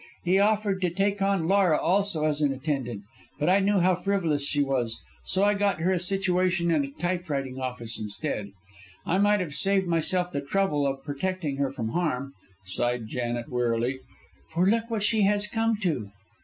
He offered to take on Laura also as an attendant, but I knew how frivolous she was, so I got her a situation in a typewriting office instead. I might have saved myself the trouble of protecting her from harm," sighed Janet, wearily, "for look what she has come to."